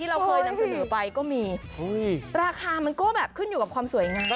ราคามันก็แบบขึ้นอยู่กับความสวยงาม